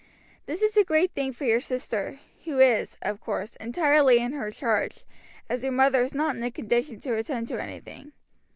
This is a great thing for your sister, who is, of course, entirely in her charge, as your mother is not in a condition to attend to anything.